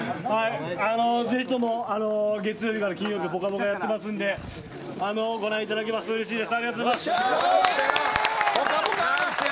ぜひとも月曜日から金曜日「ぽかぽか」やってますんでご覧いただけますとうれしいです。